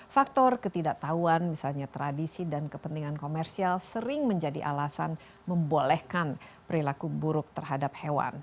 faktor ketidaktahuan misalnya tradisi dan kepentingan komersial sering menjadi alasan membolehkan perilaku buruk terhadap hewan